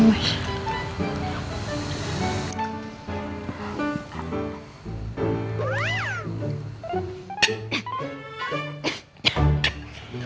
pakai sayur gak